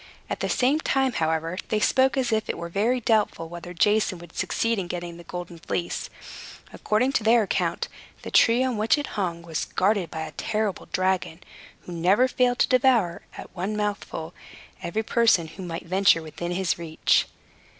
At the same time, however, they spoke as if it were very doubtful whether Jason would succeed in getting the Golden Fleece. According to their account, the tree on which it hung was guarded by a terrible dragon, who never failed to devour, at one mouthful, every person who might venture within his reach.